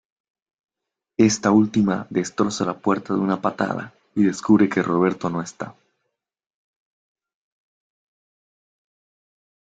Esta última destroza la puerta de una patada, y descubre que Roberto no está.